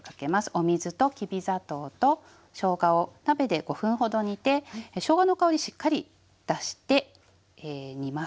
お水ときび砂糖としょうがを鍋で５分ほど煮てしょうがの香りしっかり出して煮ます。